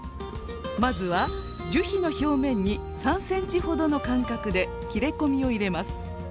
まずは樹皮の表面に３ｃｍほどの間隔で切れ込みを入れます。